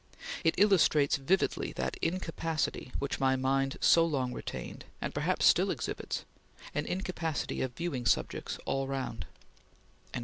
It illustrates vividly that incapacity which my mind so long retained, and perhaps still exhibits, an incapacity of viewing subjects all round....